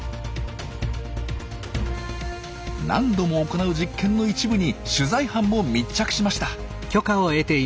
何度も行う実験の一部に取材班も密着しました。